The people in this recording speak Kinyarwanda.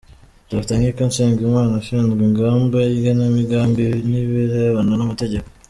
Dr. Nkiko Nsengimana, Ushinzwe Ingamba, igenamigambi n’ibirebana n’amategeko